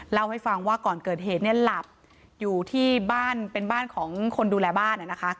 เล่าให้ฟังว่าก่อนเกิดเหตุเนี่ยหลับอยู่ที่บ้านเป็นบ้านของคนดูแลบ้านนะคะ